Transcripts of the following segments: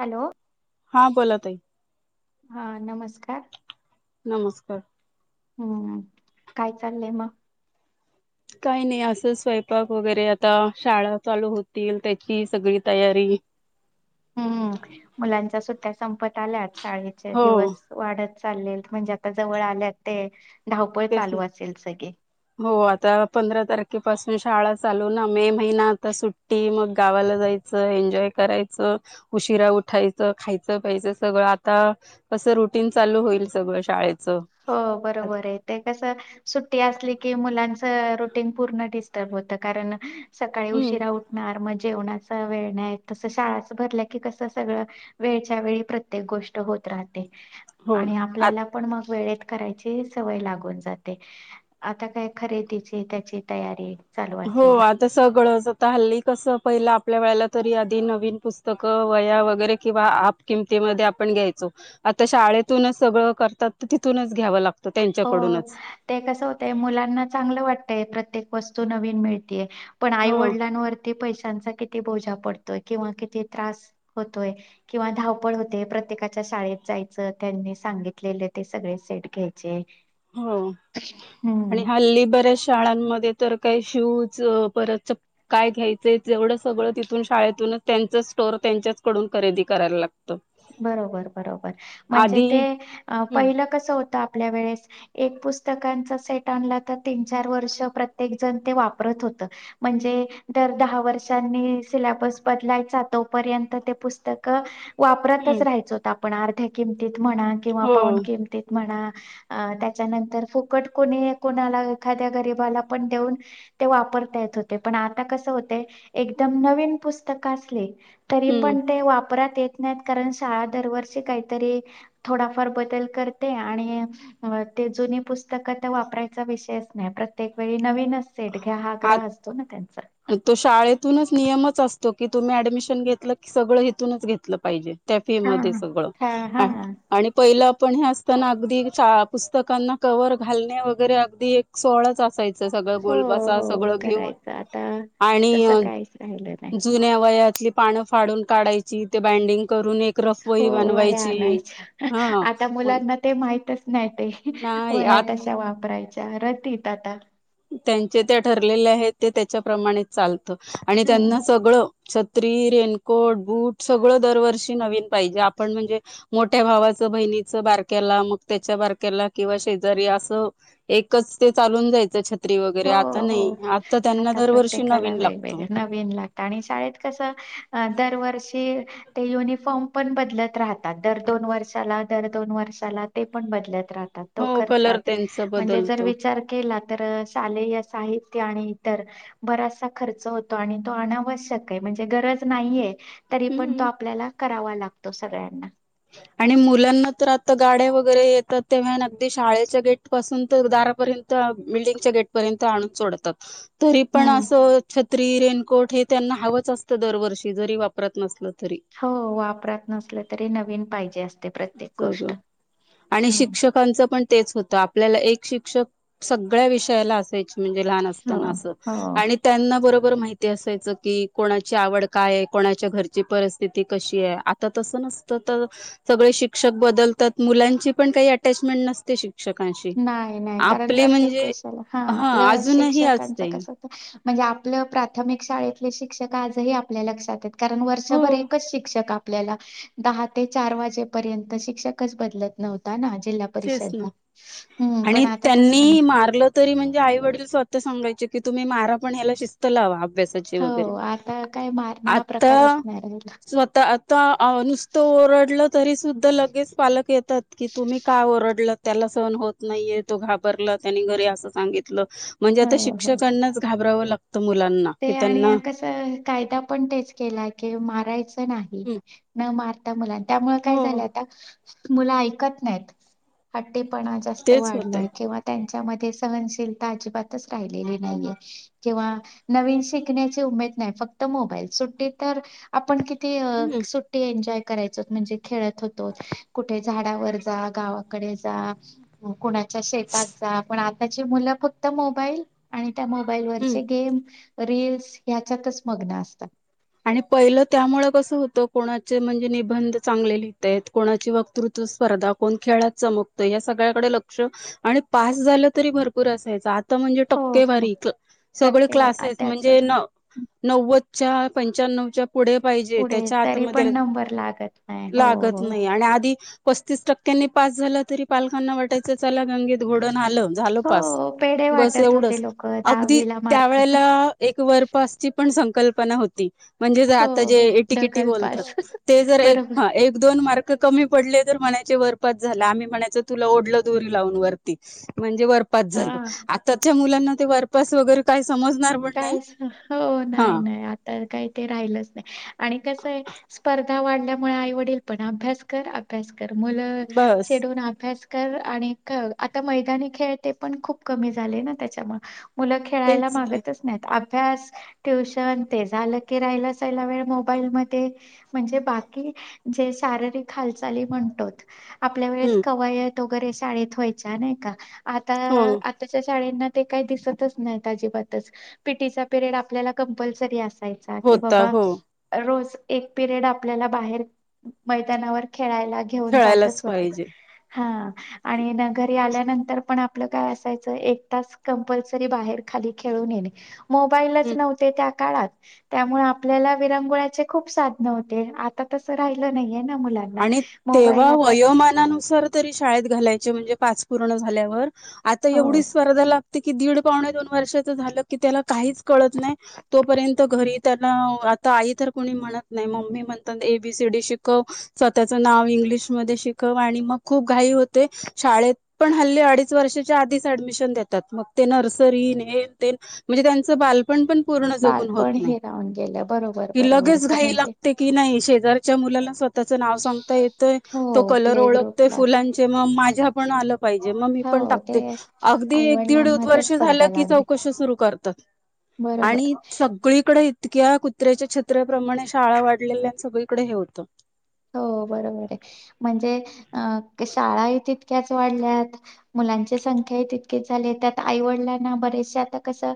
Hello हा बोलत आहे हा नमस्कार नमस्कार हम्म काय चाललंय मग काही नाही असं स्वयंपाक वगैरे आता शाळा चालू होतील त्याची सगळी तयारी हम्म मुलांच्या सुट्ट्या संपत आल्यात शाळेचे हो दिवस वाढत चालले म्हणजे आता जवळ आल्या ते धावपळ तेच ना चालू असेल सगळी हो आता पंधरा तारखेपासून शाळा चालू ना मे महिना आता सुट टी मग गावाला जायचं एन्जॉय करायचं उशिरा उठायचं खायचं पा्यायचं सगळं आता असं रुटीन चालू होईल सगळं शाळेचं हो बरोबर आहे ते कस सुट्टी असली की मुलांच रोटीन पूर्ण डिस्र् होत कारण सकाळी हम्म उशीरा उठणार मग जेव वेळण तसं शाळाचं भरल्या की कस सगळं वेळच्या वेळी प्रत्येक गोष्ट होत राहते हो आणि आपल्याला पण मग वेळेत करायची सवय लागून जाते आता काय खरेदीची त्याची तयारी चालू हो असेल. आता सगळंचता हल्ली कसं पहिलं आपल्या वेळेला तरी आधी नवीन पुस्तकं वया वगैरे किंवा आप किमतीमध्ये आपण घ्यायचो आता शाळेतूनच सगळं करतात तर तिथूनच घ्यावं लागतं हो त्यांच्याकडूनच ते कसं होतय मुलांना चांगलं वाटतय प्रत्येक वस्तू नवीन मिळतीय पण आई हो वडिलांवरती किती पैशांचा किती बोजा पडतोय किंवा किती त्रास होतोय किंवा धावपळ होते प्रत्येकाच्या शाळेत जायचं त्यांनी सांगितलेलं ते सगळे सेट घेत तेे हो आणि हल्ली बऱ्याच शाळांमध्ये तर काही शूज परत च काय घ्यायचंय तेवढं सगळं तिथून शाळेतूनच त्यांच स्टोर त्यांच्याचकडून खरेदी करायला लागत बरोबर बरोबर म्हणजे ते आधी हम्म पहिलं कसं होतं आपल्या वेळेस एक पुस्तकांचा सेट आणला तर तीन चार वर्ष प्रत्येक जण ते वापरत होत म्हणजे दर दहा वर्षांनी सिलेबस बदलायचा तोपर्यंत ते पुस्तक वापरतच हम्म राहायचो होत आपण अर्ध्या किमतीत म्हणा किंवा हो पाऊन किमतीत म्हणा अ त्याच्यानंतर फुकट कोणी कोणाला एखाद्या गरीबाला पण देऊन ते वापरता येत होते पण आता कसं होते एकदम नवीन पुस्तकं असली तरी हम्म पण ते वापरात येत नाहीत कारण शाळा दरवर्षी काहीतरी थोडाफार बदल करते आणि ते जुनी पुस्तकं तर वापरायचा विषयच नाही प्रत्येक वेळी नवीनच सेठ घ्या हा ग्रह असतो ना त्यांचा आणि तो शाळेतूनच नियमच असतो की तुम्ही ऍडमिशन घेतलं की सगळं हथूनच घेतलं पाहिजे त्याफी हा. मध्ये सगळं हा हा आणि पहिलं आपण हे असताना अगदी पुस्तकांना कवर घालणे वगैरे अगदी एक सोळंच असायचं सगळं हो गोलबसा हो सगळं घेऊन करायचं आता तस आणि काहीच राहिलं नाही जुन्या वयातली पानं फाडून काढायची ते बाइंडिंग करून एक हो रसोई वह्या बनवायची आणायच्या हा आता मुलांना ते माहितच नाही ते नाही वया आ तशा वापरायच्या रतीत आता त्यांचे त्या ठरलेले आहेत ते त्याच्या प्र्रमाणे चालतं आणि ह त्यांना सगळं छत्री रेनकोट बूट सगळं दरवर्षी नवीन पाहिजे आपण म्हणजे मोठ्या भावाचं बहिणीचं बारक्याला मग त्याच्या बारक्याला किंवा शेजारी असं एकच ते चालून जायचंछ वगैरे हो आता नाही हो. आता त्यांना दरवर्षी नवीन लागतो लाग आणि शाळेत कस दरवर्षी ते युनिफॉर्म पण बदलत राहतात दर दोन वर्षाला दर दोन वर्षला ते पण बदलत राहतात हो खर्च कलर त्यांचा म्हणजे जर बदलतो विचार केला तर लेय साहित्य आणि इतर बराचसा खर्च होतो आणि तो अनावश्यक आहे म्हणजे गरज नाहीये तरी पण तो हम्म आपल्याला करावा लागतो सगळ्यांना आणि मुलांना तर आता गाड्या वगैरे येतात तेव्हा अगदी शाळेच्या गेट पासून तर दारापर्यंत बर्ण हम्म री रेनकोट हे त्यांना हवंच असतं दरवर्षी जरी वापरत नसल तरी हो वापरत नसलं तरी नवीन पाहिजे असते प्रत्येक गोष्ट हम् च पण तेच होतं आपल्याला एक शिक्षक सगळ्या विषयाला असायच म्हणजे लहान हो असताना अस हो आणि त्यांना बरोबर माहिती असायचं की कोणाची आवड काय कोणाच्या घरची परिस्थिती कशी आहे आ तस नसतं तर सगळे शिक्षक बदलतात मुलांची पण काही अटॅचमेंट नसते श नाही नाही कारण प्रत्येक विषयाला हा आपलं अजूनही शिक्षकांच असते कस म्हणजे आपलं प्राथमिक शाळेतले शिक्षक आजही आपल्या लक्षात कारण हो वर्षभर एकच शिक्षक आप आप दहा ते चार वाजेपर्यंत शिक्षकच बदलत नव्हता ना ज तेच परिषद ना ला आणि त्यांनी मारलं तरी म्हणजे आई वडील स्वतः सगाय की तुम्ही मा पण ह्या श लावा अभ्यासाचे वगैरे हो आता काय मारणं हा आता प्रकारच नाही राहिला स्वतः नुसतं ओरडलं तरी सुद्धा लगेच पालक येतात कि तुम्ही का ओरडलं त्याला सहन होत नाहीये तो घाबरला त्यानी घरी असं सांगितलं म्हणजे आता हो हो शिक्षकांनाच घाबरावं लागतं मुलांना कि ते त्यांना आणि कस कायदा पण तेच केला की मारायचं नाही हं, न मारता मुला त्यामुळे काय हो झालं आता मुलं ऐकत नाहीत हट्टीपणा जास्त तेच होतय वाढलाय किंवा त्यांच्यामध्येध्ये सहनशीलता अजिबातच राहिलेली नाहीये किंवा नवीन शिकण्याची उमेद नाही फक्त मोबाईल सुट्टी तर आपण किती हम्म सुट्टी एंजॉय करायच म्हणजे खेळत होतो कुठे झाडावर जा गावाकडे जा कोुणा शेेतात जा पण आताची मुलं फक्त मोबाईल आणि त्या मोबाईल वरचे हम्म गेम रीलीलस ह्याच्यातच मग्न असतात आणि पहिलं त्यामुळे कसं होतं कोणाचे म्हणजे निबंध चांगले लिहित आहेत. कोणाची वक्तृत्व स्पर्धा कोण खेळात चमकतो या सगळ्याकडे लक्ष आणि पास झालं तरी भरपूर असायचं आ म्हणजे हो हो टक्केवारी सगळे टक्केवारी आ क्लासेस त्याच म्हणजे नव्वदच्या पंच्याण्णवच्या. पुढे पाहिजे पुढे त्याच्या तरी पण हातमध्ये नंबर लागत नाही हो लागत हो. नाही आणि आधी पस्तीस टक्क्यांनी पास झाला तरी पालकांना वाटायच चला गंगत घोडव आलं. झालो हो पास पेढे बस वाटत होते एवढंच लोक अगदी दहावीला त्या मार्क वळेला एक वरपासची पण संकल्पना होती. म्हणजे जर हो आता जे हो इटीकिटी ढकल पास बोलतात ते जर बरोबर दोन मार्क कमी पडले तर म्हणायचे वरपच झाला आम्ही म्हणायच तुला ओढललं दुरी लावून वरती म्हणजे वरपास झाल हा आताच्या मुलांना ते वरपास वगैरे काय समजणार पण नाही कायच हो हा नाही नाही आ तर काही ते राहिलच नाही आणि कस आहे. स्पर्धा वाढल्यामुळे आईवडल पण अभ्यास अभ्यास कर मुलं बस चडून अभ्यास. आणि आता मैदानी खेळ ते पण खूप कमी झाले ना त्याच्यामुळे मुलं खेळायला तेच झालंय मागतच नाहीत अभ्यास ट्युशन ते झालं की राहिलाचला वेळ मोबाईल म. म्हणजे बाकी ज शारी हाल म्हण. आपल्या वेळेस हं, कवायत वगैरे शाळेत व्हायच्या नाही का आता. हो, शाळना ते काही दिसतच नाही अजिबातच पीटीचा पिरयड आपल्याला कंपल्सरी अस. जायचा की होता बाबा हो, रोज एक पिरियड आपल्याला बाहेर मैदानावर खेळायलागेल घेऊन जातच खेळायलाच होते पाहिजे. हा. आणि न घरी आल्यानंतर पण आपलं काय असायचं एक तास कंपल्सरी बाहेर खाली. खेळून येणे मोबाईलच हं नव्हते त्या काळात त्यामुळे आपल्याला विरांंगुळाचे खूप साधन होते आता तसं राहिलं नाहीये ना मुला आणि तेव्हा वयोमानानुसार तरी शाळेत घालायचे म्हणजे पाच पूर्ण झाल्यावर आता हो एवढी स्पर्धा लागते की दीड पावणे दोन वर्षाच झालं की त्याला काहीच कळत नाही. तोपर्यंत घरी त्याला आता आई तर कोणी म्हणत नाही मम्मी म्हणतात एबीसीडी शिकव स्वतःच नाव इंग्लिशमध्ये शिकव आणि मग खूप घाई होते. शाळेत पण हल्ली अडीच वर्षाच्या आधीच ऍडमिशन देतात मग ते नर्सरी न ते म्हणजे त्यांच बालपण पण पूर्ण जून होत बालपण नाही हे राहून गेलं बरोबर कि बरोबर लगेच का घाई म्हणजे लागते. की नाही शेजारच्या मुलांना स्वतःच नाव सांगता येत हो तो कलर प्ले ओळखते ग्रुपला फुलांचे मग माझ्या पण आलं पाहिजे मग मी पण हो ते टाकते. अगदी एक दीड आईवडिलांमध्ये वर्ष झालं स्पर्धा की लागली चौकशी सुरू करतात. बरोबर आणि सगळीकडे तक्या कुत्र्याच्या षेत्राप्रमाणे शाळा वाढलेल्या आणि सगळीकडे हे होतं. हो बरोबर आहे म्हणजे अ शाळाही तितक्याच वाढल्यात मुलांची संख्याही तितकीेच झाली त्यात आईवडिलांना बरेचसे आता कसं.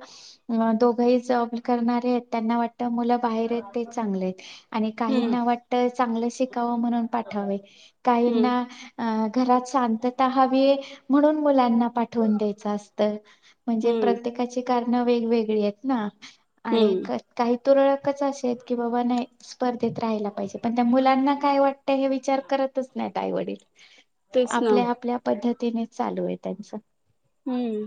अ दोघंही जॉब करणार आहेत त्यांना वाट मु बाहेर आहेत ते चांगले आहेत आणि हम्म काहीना वाटत चग. शिकाव म्हणून पाठावे. काहींना हम्म घरात शांतता हवी म्हणून मुलांना पाठ. ठून द्या असत म्हणजे हम्म प्रत्येकाची कारण वेगवेगळी आहेत ना. आणि हम्म काही तुरळकच असे आहेत की बाबा नाही स्पर्धेत राहायला पाहिजे पण त्या मुलांना काय वाटतं हे विचार करतच नाहीत आई वडील तेच ना आपल्या आपल्या पद्धतीने चालू आहे त्यांचं हम्म.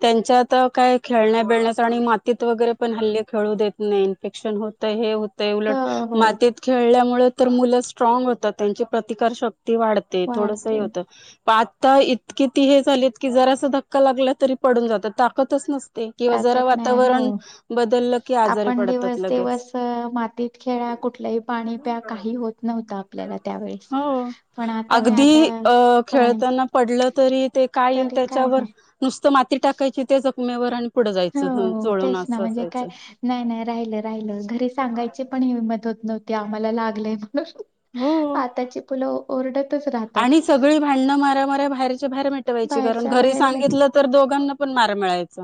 त्यांच्यात काय खेळण्या बिळण्याच आणि मातीत वगैरे पण हल्ले खेळू देत नाही इन्फेक्शन होतं हे उलट हो हो मातीत खेळल्यामुळे तर मुलं स्ट्राग होतात त्यांची प्रतिकार शक्ती वाढत ते थोडस वाढते होतं प आता इतकी ती हे चालीत की जरा अस धक्का लागला तरी पडून जातात ताकतच नसते किंवा जरा ताकद नाही हो वातावरण बदललं कि आजारी आपण पडतात दिवस लगेच दिवस अ, मातीत खेळा कुठलंही पाणी प्या काही होत नव्हत आपल्याला त्यावेळेस हो पण आता नाही आता अगदी अ पाणी खेळताना पडलं तरी ते काय येईल तरी काय त्याच्यावर नाही नुसतं माती टाकायची त्या जखमेवर आणि पुढं जायचं हो चोळून तेच ना असं म्हणजे काय असायचं नाही नाही राहिलं राहिलं घरी सांगायची पण हिंमत होत नव्हती आम्हाला लागलंय म्हणून हो आताची पुलं ओरडतच राहतात भांड म्या म्या बाहेर बाहेरेटयची कारण बाहेरच्या घरी बाहेर मिठ सांगितलं तर दोघांना पण मार मिळायच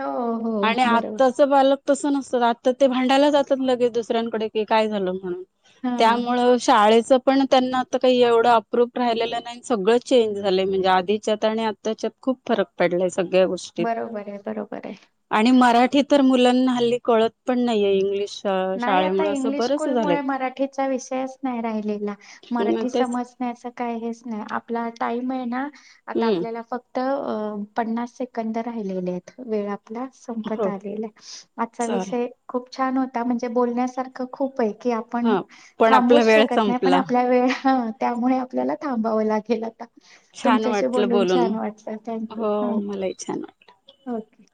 हो हो आणि बरोबर आताच बालक तसं नसतं आता ते भांडायला जातात लगेच दुसऱ्यांकडे की काय झालं म्हणून हा. त्यामु शाळेचं पण त्यांना आता काही एवढं प्रूप राहिलेलं नाही सगळं चेंज झालंय म्हणजे आधीच्यात आणि आत्ताच्यात खूप फरक पडलाय सगळ्या गोष्टीत बरोबर आहे बरोबर आहे. आणि मराठी तर मुलांना हल्ली कळत पण नाहीये इंग्लिश नाही आता शाळेमुळे असं इंग्लिश बरच स्कूल मु झालंय मराठीचा विषयच नाही राहिलेला मराठी तेच समज का हेच नाही आपला टाईम आहे ना आता हम्म आपल्याला फक्त पन्नास सेकंद राहिलेले आहेत वेळा संपत हो आलेला आजचा चालेल विषय खूप छान हो आ म्हणजे बोलण्यासारख खूप आहे की आपण हा पण आपला थांबूच वेळ शकत नाही पण संपला आपल्या वेळ त्यामुळे आपल्याला थांबावं लागेल आता छान तुमच्याशी वाटलं बोलून छान वाटलं थँकू हो छान ओके